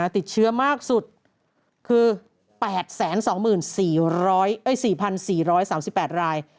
ติดเชื้อมากสุดคือ๘๒๔๔๓๘ราย